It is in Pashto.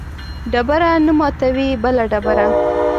ډبره نه ماتوي بله ډبره